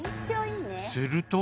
すると。